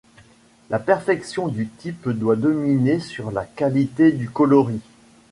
La perfection du type doit dominer sur la qualité du coloris.